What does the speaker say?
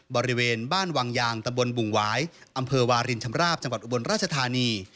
บริเวณบ้านวังยางตะบนบุงหวายอำเภอวารินชำราบจังหวัดอุบลราชธานี